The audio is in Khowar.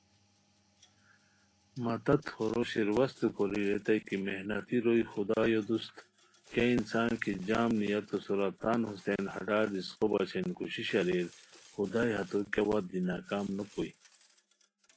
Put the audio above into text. مہ تت ہورو شیروستو کوری ریتائے کی "محنتی روئے خدایو دوست" کیہ انسان کی جم نیتو سورا تان ہوستین حلال رزقو بچین کوشش اریر، خدائے ہتو کیہ وت دی ناکام نوکوئے